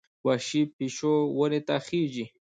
وحشي پیشو ونې ته خېژي.